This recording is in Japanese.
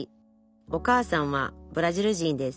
お母さんはブラジル人です